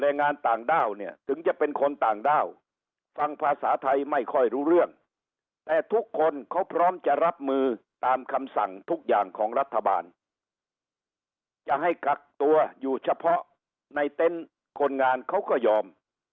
ในเต้นฝ์คนงานเขาก็ยอม